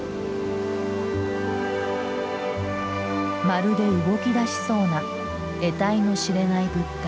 まるで動きだしそうなえたいの知れない物体。